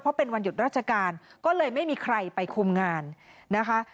เพราะเป็นวันหยุดราชการก็เลยไม่มีใครไปคุมงานนะคะ